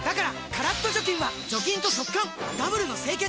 カラッと除菌は除菌と速乾ダブルの清潔！